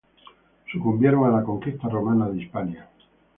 Sucumbieron a la conquista romana de Hispania.